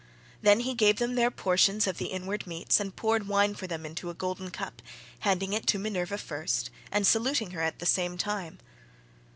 Then he gave them their portions of the inward meats and poured wine for them into a golden cup, handing it to Minerva first, and saluting her at the same time.